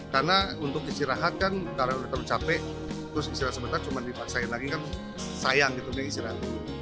karena untuk istirahat kan karena terlalu capek terus istirahat sebentar cuma dipaksain lagi kan sayang gitu punya istirahat